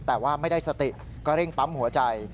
แต่ว่าไม่ได้สติก็เร่งปั๊มหัวใจ